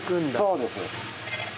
そうです。